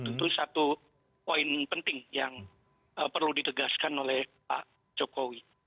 tentu satu poin penting yang perlu ditegaskan oleh pak jokowi